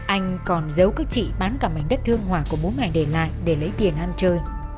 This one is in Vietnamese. anh còn giấu các chị bán cả mảnh đất thương hỏa của bố mẹ để lại để lấy tiền ăn chơi